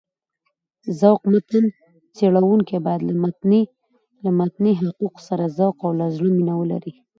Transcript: ذوق متن څېړونکی باید له متني تحقيق سره ذوق او له زړه مينه ولري.